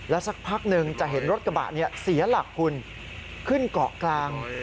สักพักหนึ่งจะเห็นรถกระบะเสียหลักคุณขึ้นเกาะกลาง